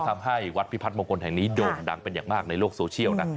ทำให้วัดพิพัฒนมงคลแห่งนี้โด่งดังเป็นอย่างมากในโลกโซเชียลนะ